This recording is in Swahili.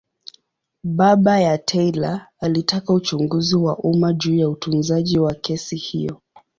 Baba ya Taylor alitaka uchunguzi wa umma juu ya utunzaji wa kesi hiyo.